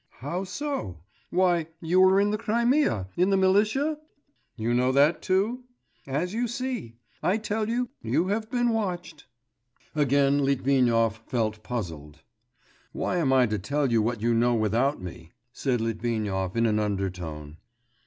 'How so? why, you were in the Crimea, in the militia?' 'You know that too?' 'As you see. I tell you, you have been watched.' Again Litvinov felt puzzled. 'Why am I to tell you what you know without me?' said Litvinov in an undertone.